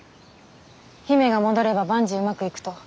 姫が戻れば万事うまくいくと？